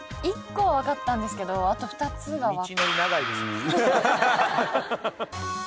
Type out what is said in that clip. １個は分かったんですけどあと２つが。